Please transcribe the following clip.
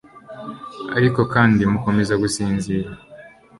Ariko kandi mukomeza gusinzira